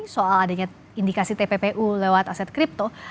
soal adanya indikasi tppu lewat aset kripto